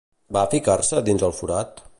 Va ficar-se dins el forat?